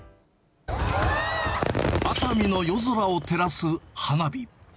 熱海の夜空を照らす花火。